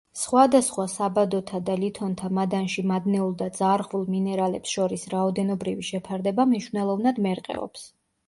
სხვადასხვა საბადოთა და ლითონთა მადანში მადნეულ და ძარღვულ მინერალებს შორის რაოდენობრივი შეფარდება მნიშვნელოვნად მერყეობს.